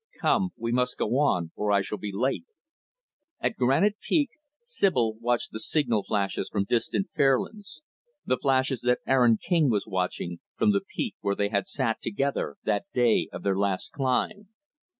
Come; we must go on, or I shall be late." At Granite Peak, Sibyl watched the signal flashes from distant Fairlands the flashes that Aaron King was watching, from the peak where they had sat together that day of their last climb.